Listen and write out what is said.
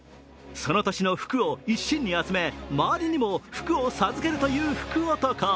その年の福を一身に集め周りにも福を授けるという福男。